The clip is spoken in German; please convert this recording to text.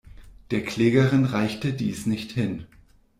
Der Klägerin reichte dies nicht hin.